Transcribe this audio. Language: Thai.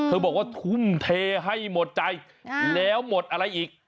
บอกว่าทุ่มเทให้หมดใจแล้วหมดอะไรอีก